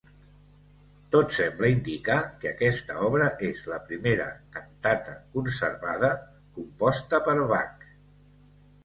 Tot sembla indicar que aquesta obra és la primera cantata conservada composta per Bach.